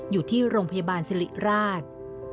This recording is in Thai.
อยู่ที่โรงพยาบาลสิริราช